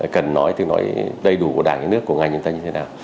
cần nói đầy đủ của đảng nước của ngành chúng ta như thế nào